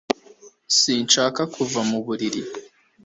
sinshaka kuva mu buriri